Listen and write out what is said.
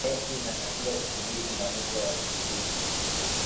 benki inatakiwa kuhimili majanga ya kiuchumi